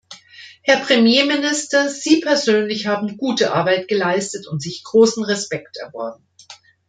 Herr Premierminister, Sie persönlich haben gute Arbeit geleistet und sich großen Respekt erworben.